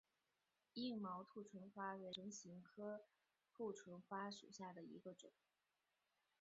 硬毛兔唇花为唇形科兔唇花属下的一个种。